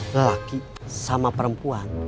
lelaki sama perempuan